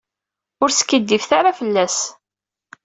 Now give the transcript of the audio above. Ur skiddibet ara fell-as.